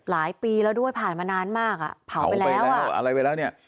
หลายปีแล้วด้วยผ่านมานานมากเผาไปแล้ว